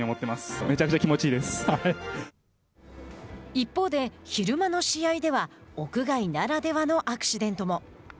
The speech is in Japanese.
一方で、昼間の試合では屋外ならではのアクシデントも。